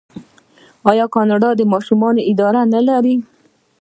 آیا کاناډا د ماشومانو اداره نلري؟